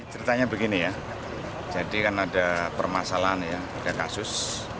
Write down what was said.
ceritanya begini ya jadi kan ada permasalahan ya ada kasus